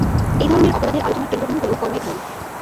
এই ধরনের অপরাধের আলোচনার কেন্দ্রবিন্দু হল কর্মের ধারণা।